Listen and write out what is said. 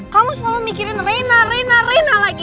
kamu selalu mikirin reina reina reina lagi